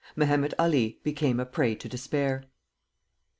Mehemet Ali became a prey to despair.